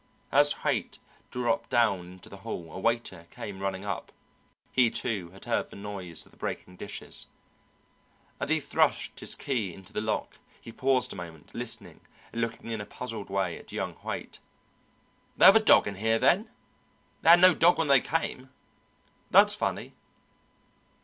As Haight dropped down into the hall a waiter came running up; he, too, had heard the noise of the breaking dishes. As he thrust his key into the lock he paused a moment, listening and looking in a puzzled way at young Haight. "They have a dog in here, then? They had no dog when they came. That's funny!"